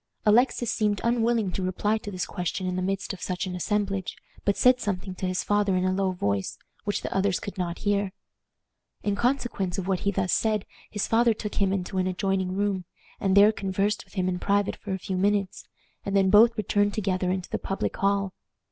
Alexis seemed unwilling to reply to this question in the midst of such an assemblage, but said something to his father in a low voice, which the others could not hear. In consequence of what he thus said his father took him into an adjoining room, and there conversed with him in private for a few minutes, and then both returned together into the public hall.